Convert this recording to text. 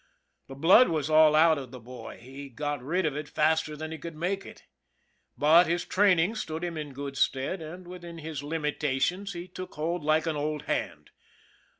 The blood was all out of the boy he got rid of it faster than he could make it. But his training stood him in good stead, and, within his limitations, he took hold like an old hand.